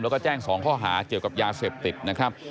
แล้วก็แจ้ง๒ข้อหาเกี่ยวกับยาเสพติดนะครับ